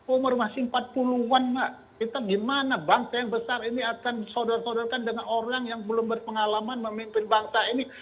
umur masih empat puluh an mbak kita gimana bangsa yang besar ini akan disodor sodorkan dengan orang yang belum berpengalaman memimpin bangsa ini